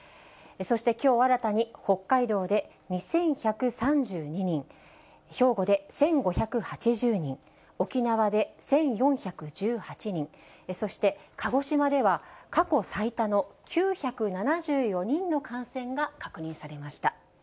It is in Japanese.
そしてきょう新たに北海道で２１３２人、兵庫で１５８０人、沖縄で１４１８人、そして鹿児島では過去最多の９７４人の感染が確認されました。